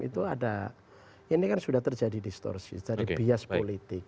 itu ada ini kan sudah terjadi distorsi dari bias politik